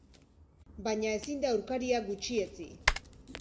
Baina ezin da aurkaria gutxietsi.